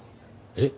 えっ？